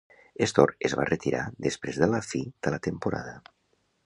Stohr es va retirar després de la fi de la temporada.